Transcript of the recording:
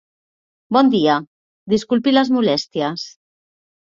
Bon dia, disculpi les molèsties.